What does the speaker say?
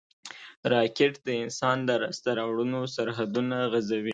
راکټ د انسان د لاسته راوړنو سرحدونه غځوي